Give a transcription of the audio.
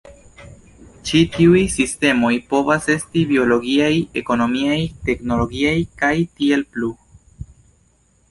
Ĉi tiuj sistemoj povas esti biologiaj, ekonomiaj, teknologiaj, kaj tiel plu.